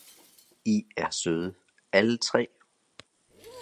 I er søde alle tre!